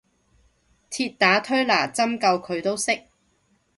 鐵打推拿針灸佢都識